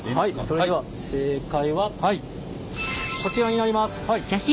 それでは正解はこちらになります。